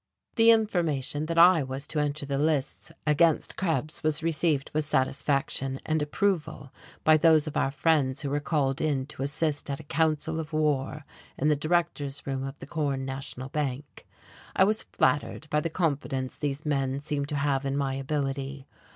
The information that I was to enter the lists against Krebs was received with satisfaction and approval by those of our friends who were called in to assist at a council of war in the directors' room of the Corn National Bank. I was flattered by the confidence these men seemed to have in my ability.